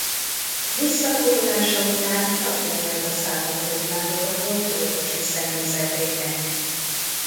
Visszavonulása után tagja volt a salvadori válogatott orvosi személyzetének.